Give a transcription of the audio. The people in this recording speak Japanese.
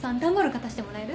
片してもらえる？